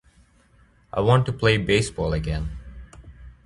I want to play baseball again.